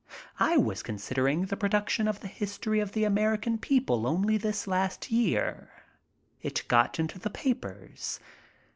I was considering the production of the history of the American people only this last year. It got into the papers.